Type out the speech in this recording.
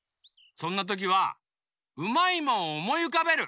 そんなときはうまいもんをおもいうかべる。